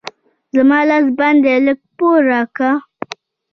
زما لاس بند دی؛ لږ پور راکړه.